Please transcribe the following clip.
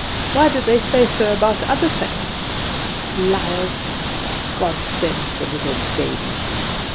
Why do they say so about other things? Liars! 'God sends the little babies!